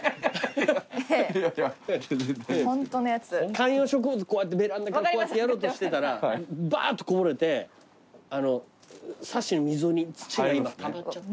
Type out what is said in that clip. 観葉植物ベランダからこうやってやろうとしてたらばーっとこぼれてサッシの溝に土が今たまっちゃってんのよ。